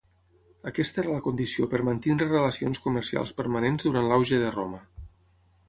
Aquesta era la condició per mantenir relacions comercials permanents durant l'auge de Roma.